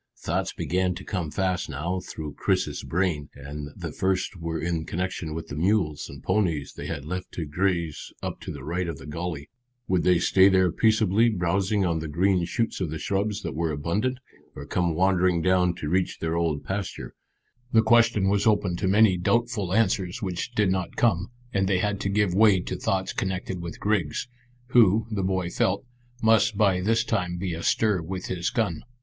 Thoughts began to come fast now through Chris's brain, and the first were in connection with the mules and ponies they had left to graze up to the right of the gully. Would they stay there peacefully browsing on the green shoots of the shrubs that were abundant, or come wandering down to reach their old pasture? The question was open to many doubtful answers which did not come, and they had to give way to thoughts connected with Griggs, who, the boy felt, must by this time be astir with his gun.